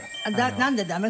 なんでダメ？